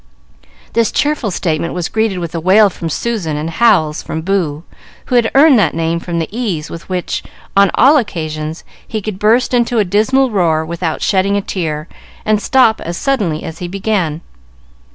This cheerful statement was greeted with a wail from Susan and howls from Boo, who had earned that name from the ease with which, on all occasions, he could burst into a dismal roar without shedding a tear, and stop as suddenly as he began.